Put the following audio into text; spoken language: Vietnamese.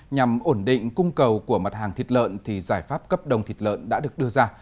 nhằm ổn định cung cầu của mặt hàng thịt lợn thì giải pháp cấp đồng thịt lợn đã được đưa ra